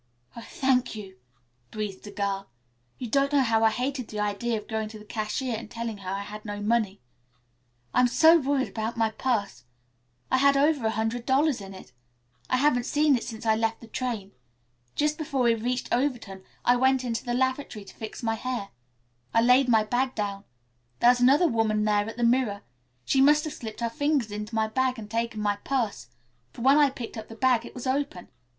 "Oh, thank you," breathed the girl. "You don't know how I hated the idea of going to the cashier and telling her I had no money. I'm so worried about my purse. I had over a hundred dollars in it. I haven't seen it since I left the train. Just before we reached Overton I went into the lavatory to fix my hair. I laid my bag down. There was another woman there at the mirror. She must have slipped her fingers into my bag and taken my purse, for when I picked up the bag it was open.